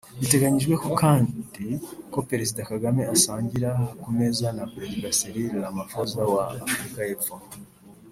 Biteganyijwe kandi ko Perezida Kagame asangira ku meza na Perezida Cyril Ramaphosa wa Afurika y’Epfo